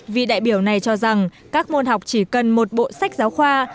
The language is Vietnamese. vì đại biểu này cho rằng các môn học chỉ cần một bộ sách giáo khoa